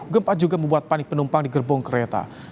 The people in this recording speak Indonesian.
gempa juga membuat panik penumpang di gerbong kereta